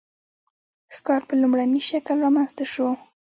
ښکار په لومړني شکل رامنځته شو.